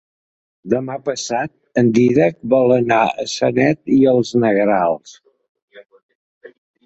Demà passat en Dídac vol anar a Sanet i els Negrals.